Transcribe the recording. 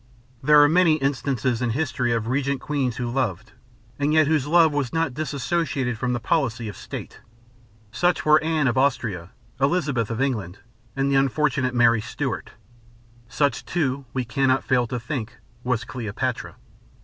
There are many instances in history of regnant queens who loved and yet whose love was not dissociated from the policy of state. Such were Anne of Austria, Elizabeth of England, and the unfortunate Mary Stuart. Such, too, we cannot fail to think, was Cleopatra.